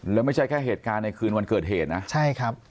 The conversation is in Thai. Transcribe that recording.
แล้วไม่ใช่แค่เหตุการณ์ในคืนวันเกิดเหตุนะใช่ครับ